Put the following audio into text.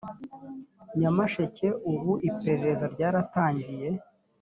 nyamasheke ubu iperereza ryaratangiye